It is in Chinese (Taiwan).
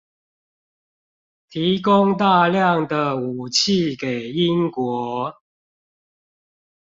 提供大量的武器給英國